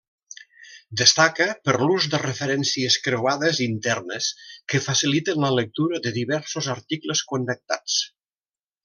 Destaca per l'ús de referències creuades internes que faciliten la lectura de diversos articles connectats.